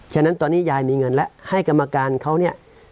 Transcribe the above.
ฉะนั้นตอนนี้ยายมีเงินแล้วให้กรรมการเขาเนี่ย